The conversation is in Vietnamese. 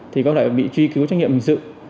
thì có thể bị truy cứu trách nhiệm hình sự